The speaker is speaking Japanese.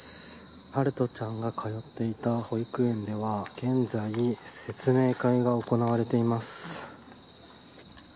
陽翔ちゃんが通っていた保育園では現在、説明会が行われています。